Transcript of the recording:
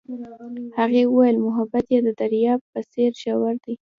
هغې وویل محبت یې د دریاب په څېر ژور دی.